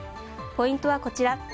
ポイントはこちら。